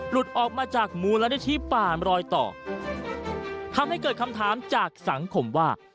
หลุดออกมาจากมูลนิธิป่านรอยต่อทำให้เกิดคำถามจากสังคมว่า